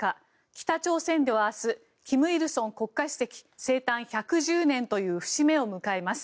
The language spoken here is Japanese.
北朝鮮では明日金日成国家主席生誕１１０年という節目を迎えます。